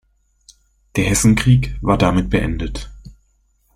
Der Hessenkrieg war damit beendet.